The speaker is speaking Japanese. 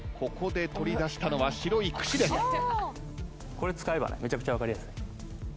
これ使えばめちゃくちゃ分かりやすい。